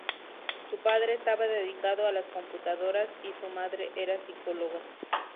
Su padre estaba dedicado a las computadoras y su madre era psicóloga.